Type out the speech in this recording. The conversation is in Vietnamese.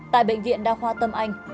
tại bệnh viện đa khoa tâm anh